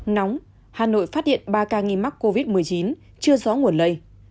nóng hà nội phát hiện ba ca nghi mắc covid một mươi chín chưa rõ nguồn lây